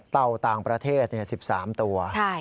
เต่าต่างประเทศ๑๓ตัว